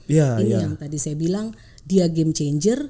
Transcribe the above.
ini yang tadi saya bilang dia game changer